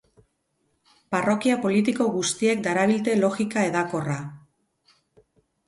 Parrokia politiko guztiek darabilte logika hedakorra.